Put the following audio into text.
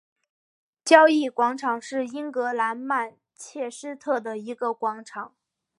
交易广场是英格兰曼彻斯特的一个广场。